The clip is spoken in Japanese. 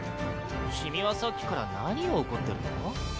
チミはさっきから何を怒ってるの？